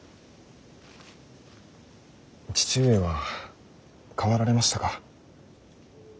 父上は変わられましたか。